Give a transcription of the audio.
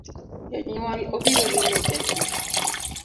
Jonyuol obiro limo jatuo